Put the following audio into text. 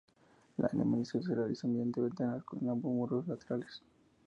La iluminación se realiza mediante ventanas en ambos muros laterales.